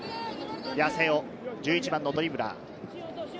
八瀬尾、１１番のドリブラー！